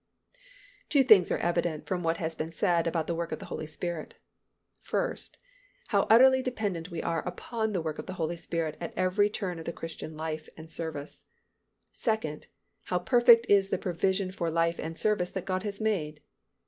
Two things are evident from what has been said about the work of the Holy Spirit. First, how utterly dependent we are upon the work of the Holy Spirit at every turn of Christian life and service. Second, how perfect is the provision for life and service that God has made.